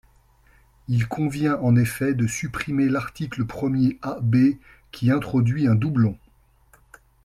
Il convient en effet de supprimer l’article premier AB, qui introduit un doublon.